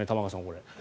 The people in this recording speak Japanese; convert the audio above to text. これ。